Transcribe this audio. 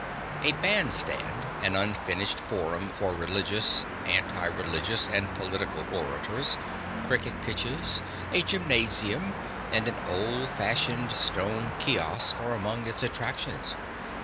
A bandstand, an unfinished forum for religious, anti religious and political orators, cricket pitches, a gymnasium, and an old fashioned stone kiosk are among its attractions.